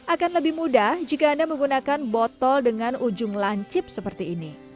akan lebih mudah jika anda menggunakan botol dengan ujung lancip seperti ini